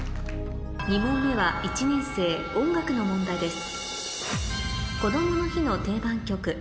２問目は１年生音楽の問題です